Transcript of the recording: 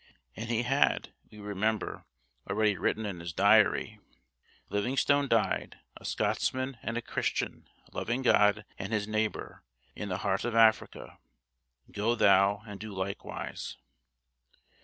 And he had, we remember, already written in his diary: "Livingstone died a Scotsman and a Christian loving God and his neighbour, in the heart of Africa. 'Go thou and do likewise.'"